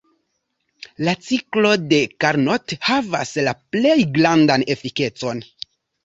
La ciklo de Carnot havas la plej grandan efikecon.